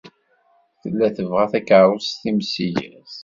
Tella tebɣa takeṛṛust timsigert.